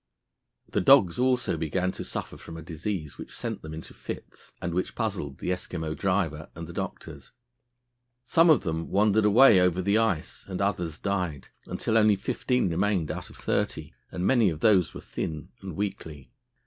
The dogs also began to suffer from a disease which sent them into fits, and which puzzled the Eskimo driver and the doctors. Some of them wandered away over the ice and others died, until only fifteen remained out of thirty, and many of those were thin and weakly.